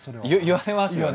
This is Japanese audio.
言われますよね？